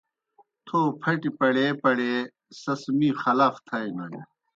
تھو پَھٹیْ پڑیے پڑیے سیْس می خلاف تھائینوئے۔